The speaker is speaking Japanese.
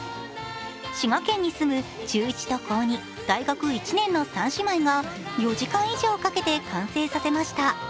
滋賀県に住む中１と高２、大学１年の３姉妹が４時間以上かけて完成させました。